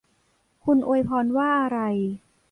คุณอวยพรว่าอะไร